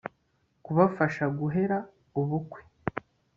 kubafasha guhera ubukwe